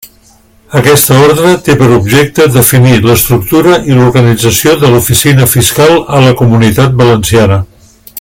Aquesta ordre té per objecte definir l'estructura i l'organització de l'Oficina Fiscal a la Comunitat Valenciana.